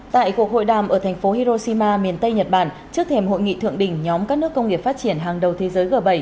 tại cuộc hội đàm ở thành phố hiroshima miền tây nhật bản trước thềm hội nghị thượng đỉnh nhóm các nước công nghiệp phát triển hàng đầu thế giới g bảy